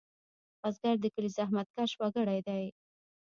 بزګر د کلي زحمتکش وګړی دی